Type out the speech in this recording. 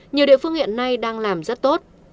nhiều địa phương hiện nay đang làm rất tốt